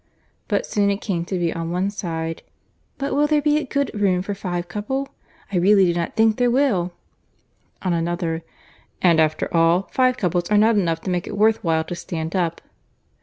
But soon it came to be on one side, "But will there be good room for five couple?—I really do not think there will." On another, "And after all, five couple are not enough to make it worth while to stand up.